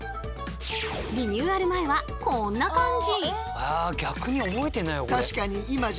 リニューアル前はこんな感じ。